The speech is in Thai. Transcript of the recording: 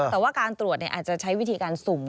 แต่ว่าการตรวจอาจจะใช้วิธีการสุ่ม